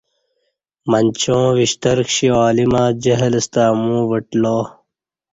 منچا ں وشتر کشی عالمہ جہل ستہ امو وٹلا